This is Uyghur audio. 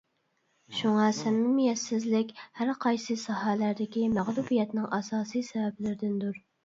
شۇڭا سەمىمىيەتسىزلىك ھەرقايسى ساھەلەردىكى مەغلۇبىيەتنىڭ ئاساسىي سەۋەبلىرىدىندۇر.